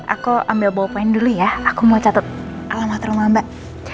aku ambil ballpoint dulu ya aku mau catet alamat rumah mbak